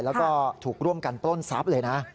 แล้วก็ถูกร่วมกันปล้นทรัพย์เลยนะ